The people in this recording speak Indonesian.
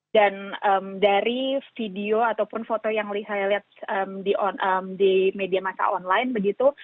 dan dari video ataupun foto yang saya lihat di media massa online begitu